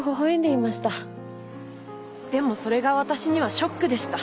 でもそれが私にはショックでした。